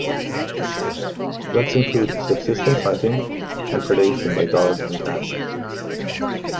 Threats include subsistence hunting and predation by dogs and cats.